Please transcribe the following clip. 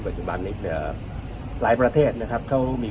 บัจจุบันนี้